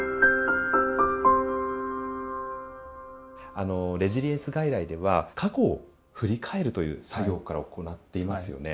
あのレジリエンス外来では過去を振り返るという作業から行っていますよね。